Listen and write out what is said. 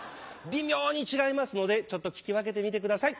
微妙に違いますのでちょっと聞き分けてみてください。